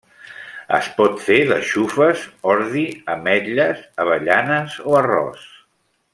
Es pot fer de xufes, ordi, ametles, avellanes o arròs.